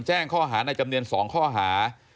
แจ้งข้อหาในจำเนียน๒ข้อหา